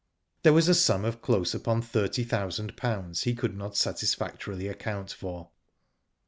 There was a sum of close upon thirty thousand pounds he could not satisfactorily account for.